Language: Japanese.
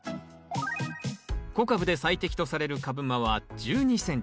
小カブで最適とされる株間は１２ｃｍ。